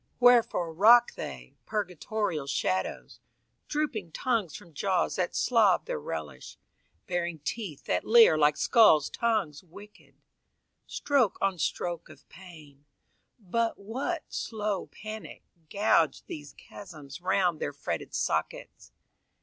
Wherefore rock they, purgatorial shadows, Drooping tongues from jaws that slob their relish, Baring teeth that leer like skulls' tongues wicked? Stroke on stroke of pain, but what slow panic, Gouged these chasms round their fretted sockets?